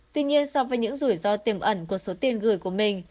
tuy nhiên so với những rủi ro tiềm ẩn của số tiền gửi của mình